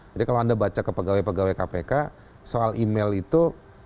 jadi kalau anda baca ke pegawai pegawai kpk soal email itu